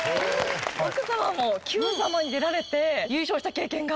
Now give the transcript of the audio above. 奥様も『Ｑさま！！』に出られて優勝した経験が。